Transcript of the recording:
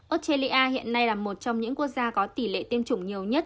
australia hiện nay là một trong những quốc gia có tỷ lệ tiêm chủng nhiều nhất